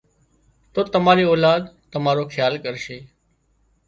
تو تماري اولاد تمارو کيال ڪرشي